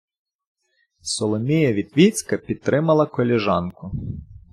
Соломія Вітвіцька підтримала колежанку.